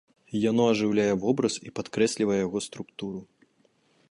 Яно ажыўляе вобраз і падкрэслівае яго структуру.